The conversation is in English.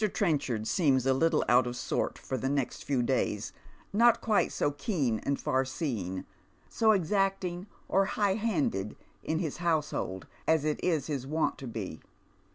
Trenchard seems a little out of sorts for the next few (lays, not quite so keen and far seeing, so exacting or high handed in his household as it is his wont to be.